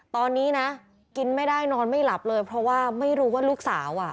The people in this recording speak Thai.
ตอนนี้นะกินไม่ได้นอนไม่หลับเลยเพราะว่าไม่รู้ว่าลูกสาวอ่ะ